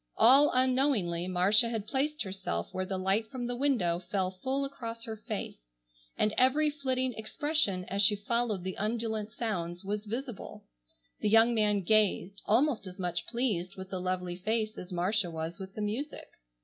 All unknowingly Marcia had placed herself where the light from the window fell full across her face, and every flitting expression as she followed the undulant sounds was visible. The young man gazed, almost as much pleased with the lovely face as Marcia was with the music.